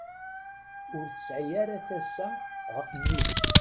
Ur tesɛi ara tasa ɣef mmi-s.